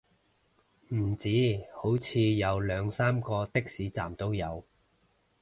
唔止，好似有兩三個的士站都有